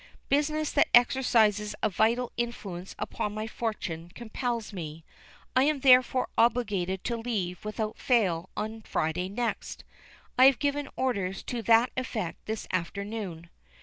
Business that exercises a vital influence upon my fortunes compels me. I am therefore obliged to leave without fail on Friday next. I have given orders to that effect this afternoon."